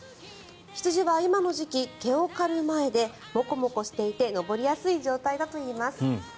羊は今の時期毛を刈る前でモコモコしていて登りやすい状態だといいます。